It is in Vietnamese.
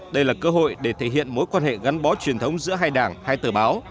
đây là cơ hội để thể hiện mối quan hệ gắn bó truyền thống giữa hai đảng hai tờ báo